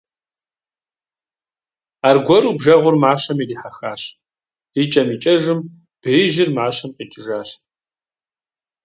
Аргуэру бжэгъур мащэм ирихьэхащ - и кӀэм и кӀэжым беижьыр мащэм къикӀыжащ.